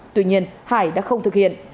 tuy nhiên hải đã không thực hiện